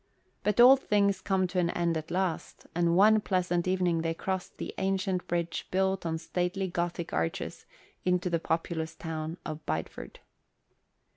But all things come to an end at last, and one pleasant evening they crossed the ancient bridge built on stately Gothic arches into the populous town of Bideford.